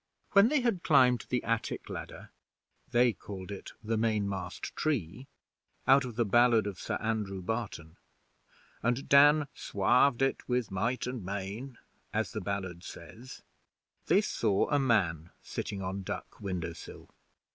When they had climbed the attic ladder (they called it 'the mainmast tree', out of the ballad of Sir Andrew Barton, and Dan 'swarved it with might and main', as the ballad says) they saw a man sitting on Duck Window sill.